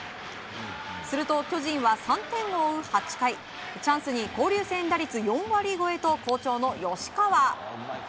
すると、巨人は３点を追う８回チャンスに交流戦打率４割超えと好調の吉川。